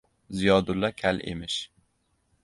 Ziyodulla kal emish!